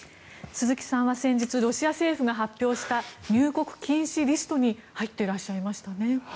鈴木さんは先日ロシア政府が発表した入国禁止リストに入っていらっしゃいましたね。